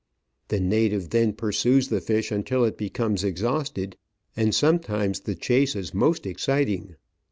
The native then pursues the fish until it becomes exhausted, and sometimes the chase is most exciting.